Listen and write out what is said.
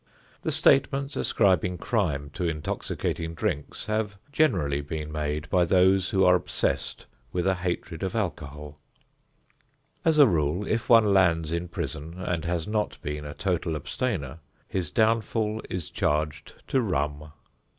The statements ascribing crime to intoxicating drinks have generally been made by those who are obsessed with a hatred of alcohol. As a rule if one lands in prison and has not been a total abstainer, his downfall is charged to rum.